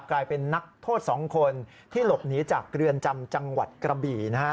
กลายเป็นนักโทษ๒คนที่หลบหนีจากเรือนจำจังหวัดกระบี่นะฮะ